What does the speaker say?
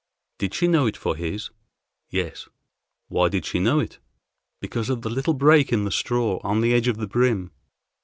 Did she know it for his? Yes. Why did she know it? Because of the little break in the straw, on the edge of the brim.